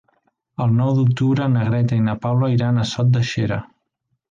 El nou d'octubre na Greta i na Paula iran a Sot de Xera.